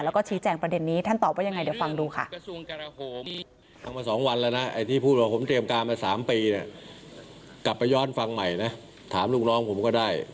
แล้วก็ชี้แจงประเด็นนี้ท่านตอบว่ายังไงเดี๋ยวฟังดูค่ะ